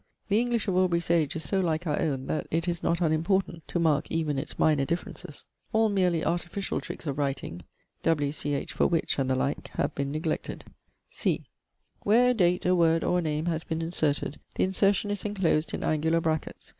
The English of Aubrey's age is so like our own that it is not unimportant to mark even its minor differences. All merely artificial tricks of writing (wᶜʰ for which, and the like) have been neglected. (c) Where a date, a word, or a name has been inserted, the insertion is enclosed in angular brackets